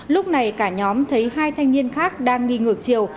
lúc này cả nhóm thấy hai thanh niên khác đang đi ngược chiều